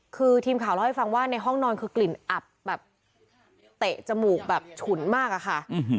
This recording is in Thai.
คือทีมข่าวเล่าให้ฟังว่าในห้องนอนคือกลิ่นอับแบบเตะจมูกแบบฉุนมากอะค่ะ